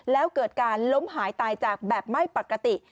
แล้วเกิดการล้มหายตายจากแบบไม่ปกติ